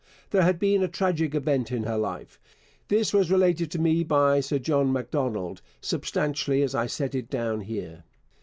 There had been a tragic event in her life. This was related to me by Sir John Macdonald substantially as I set it down here.